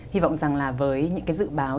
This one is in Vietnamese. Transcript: hy vọng rằng là với những dự báo